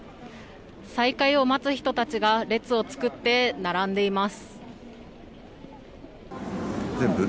再開を待つ人たちが列を作って並んでいます。